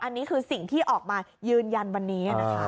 อันนี้คือสิ่งที่ออกมายืนยันวันนี้นะคะ